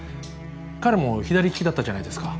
彼も左利きだったじゃないですか。